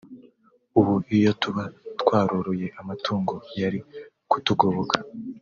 ubu iyo tuba twaroroye amatungo yari kutugoboka”